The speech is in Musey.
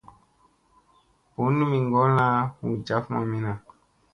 Bunni mi ŋgolla hu jaf mamina.